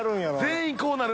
全員こうなる。